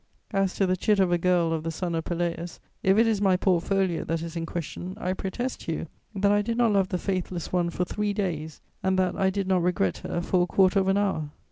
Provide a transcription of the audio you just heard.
As to the chit of a girl of the son of Peleus, if it is my portfolio that is in question, I protest to you that I did not love the faithless one for three days, and that I did not regret her for a quarter of an hour.